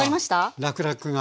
らくらくが。